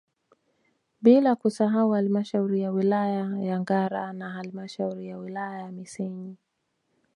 Bila kusahau halmashauri ya wilaya ya Ngara na halmashauri ya wilaya ya Misenyi